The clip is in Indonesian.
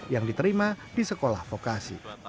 yang diterima di sekolah vokasi